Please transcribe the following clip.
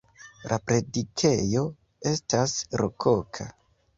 La predikejo estas rokoka.